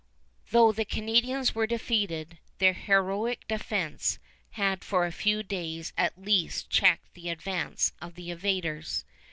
Though the Canadians were defeated, their heroic defense had for a few days at least checked the advance of the invaders.